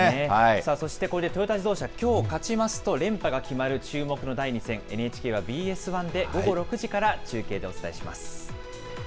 さあそして、これでトヨタ自動車、きょう勝ちますと、連覇が決まる注目の第２戦、ＮＨＫはＢＳ１で午後６時から中継でお伝えします。